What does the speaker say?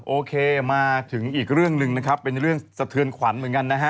โอเคมาถึงอีกเรื่องหนึ่งนะครับเป็นเรื่องสะเทือนขวัญเหมือนกันนะฮะ